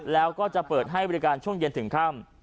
แล้วก็จะเปิดให้บริการช่วงเย็นถึงค่ำ